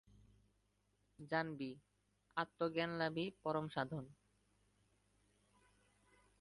জানবি, আত্মজ্ঞানলাভই পরম সাধন।